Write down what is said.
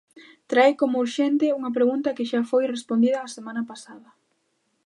Trae como urxente unha pregunta que xa foi respondida a semana pasada.